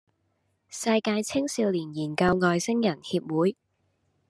世界青少年研究外星人協會